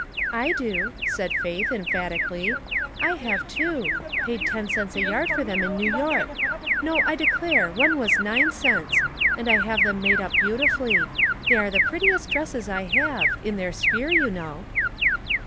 " I do," said Faith, emphatically. " I have two. Paid ten cents a yard lor them in New York. No, I declare, — one was nine cents; and I have them made up beautifully. They are the prettiest dresses I have — in their sphere, you know."